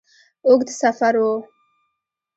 اوږد سفر وو.